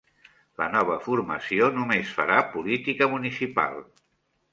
La nova formació només farà política municipal